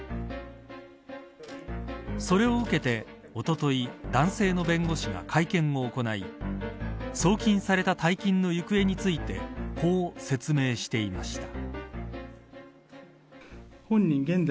それを受けておととい男性の弁護士が会見を行い送金された大金の行方についてこう説明していました。